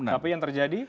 tapi yang terjadi